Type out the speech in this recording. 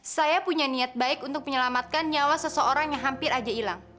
saya punya niat baik untuk menyelamatkan nyawa seseorang yang hampir aja hilang